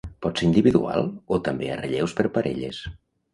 Pot ser individual o també a relleus per parelles.